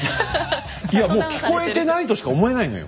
いやもう聞こえてないとしか思えないのよ。